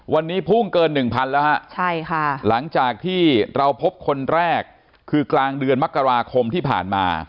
วันนี้พุ่งเกินหนึ่งพันแล้วฮะใช่ค่ะหลังจากที่เราพบคนแรกคือกลางเดือนมกราคมที่ผ่านมา